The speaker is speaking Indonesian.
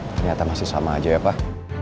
ternyata masih sama aja ya pak